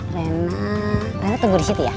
rena rena tunggu disitu ya